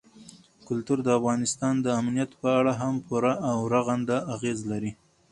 کلتور د افغانستان د امنیت په اړه هم پوره او رغنده اغېز لري.